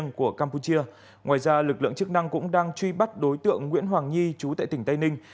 ngoài ra lực lượng chức năng cũng đang truy bắt đối tượng nguyễn hoàng nhi chú tại tỉnh tây ninh